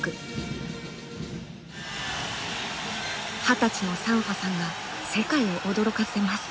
二十歳のサンファさんが世界を驚かせます。